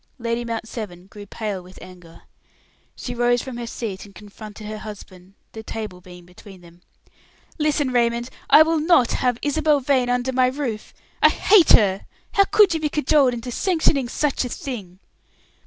Lady Mount Severn grew pale with anger. She rose from her seat and confronted her husband, the table being between them. "Listen, Raymond; I will not have Isabel Vane under my roof. I hate her. How could you be cajoled into sanctioning such a thing?"